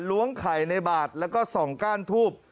ล้วงไข่ในบาทแล้วก็ส่องก้านทูบ